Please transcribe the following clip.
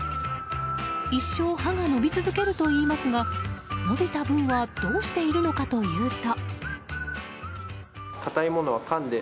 一生、歯が伸び続けるといいますが伸びた分はどうしているのかというと。